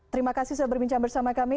terima kasih sudah berbincang bersama kami